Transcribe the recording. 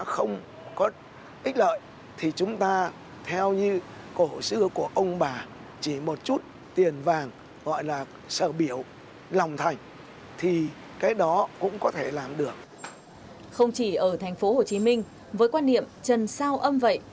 không chỉ ở thành phố hồ chí minh với quan niệm trần sao âm vậy